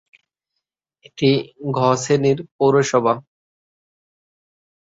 এটি "গ" শ্রেণীর পৌরসভা।